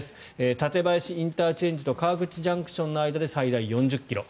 館林ＩＣと川口ＪＣＴの間で最大４０ｋｍ。